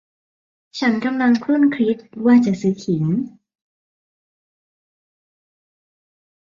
ฉันกำลังครุ่นคิดว่าจะซื้อขิง